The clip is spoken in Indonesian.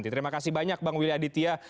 terima kasih banyak bang willy aditya